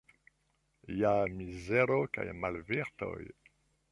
Ja mizero kaj malvirtoj.